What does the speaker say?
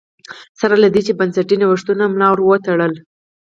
سره له دې چې بنسټي نوښتونو ملا ور وتړله